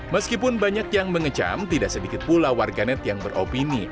meskipun banyak yang mengecam tidak sedikit pula warganet yang beropini